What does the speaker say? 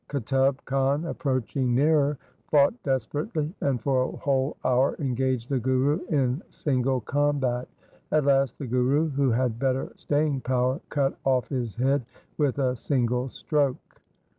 Qutub Khan approaching nearer fought desperately, and for a whole hour engaged the Guru in single combat. At last the Guru, who had better staying power, cut off his head with a single stroke.